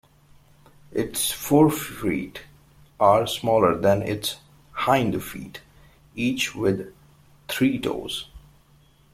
Its forefeet are smaller than its hind feet, each with three toes.